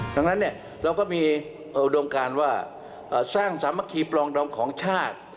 ดังนั้นเราก็มีอุดมการว่าสร้างสามัคคีปลองดองของชาติ